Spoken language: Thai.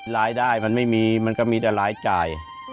รายได้มันไม่มีมันก็มีแต่รายจ่าย